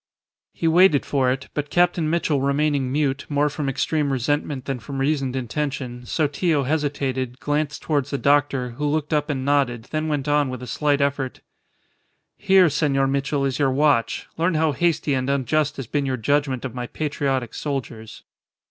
He waited for it, but Captain Mitchell remaining mute, more from extreme resentment than from reasoned intention, Sotillo hesitated, glanced towards the doctor, who looked up and nodded, then went on with a slight effort "Here, Senor Mitchell, is your watch. Learn how hasty and unjust has been your judgment of my patriotic soldiers."